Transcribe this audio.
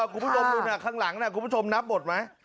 คุณผู้ชมดูนะข้างหลังคุณผู้ชมนับหมดไหม